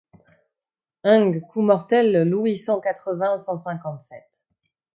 Ung coup mortel Louis cent quatre-vingts cent cinquante-sept.